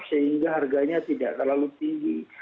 sehingga harganya tidak terlalu tinggi